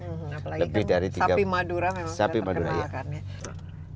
apalagi sapi madura memang terkenalkan